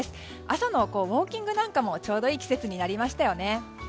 朝のウォーキングなんかにもちょうどいい季節になりましたよね。